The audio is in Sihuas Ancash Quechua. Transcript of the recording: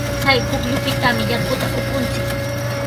Chay pukyupitami yakuta upunchik.